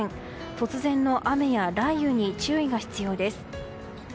突然の雨や雷雨に注意が必要です。